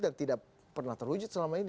dan tidak pernah terwujud selama ini